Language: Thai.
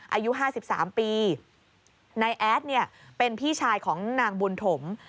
อายุ๕๓ปีนายแอดเนี่ยเป็นพี่ชายของนางบุญถม